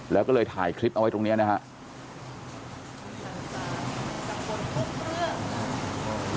แล้วก็เลยถ่ายคลิปเอาไว้ตรงนี้นะครับ